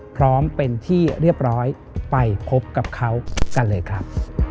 พร้อมเป็นที่เรียบร้อยไปพบกับเขากันเลยครับ